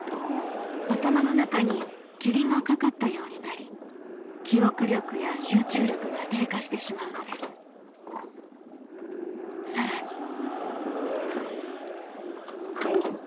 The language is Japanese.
頭の中に霧がかかったようになり記憶力や集中力が低下してしまうのですさらに